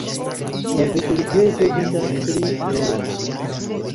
La veturprezo estas tri eŭroj.